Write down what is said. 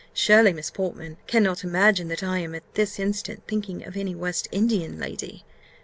"Surely, Miss Portman cannot imagine that I am at this instant thinking of any West Indian lady!"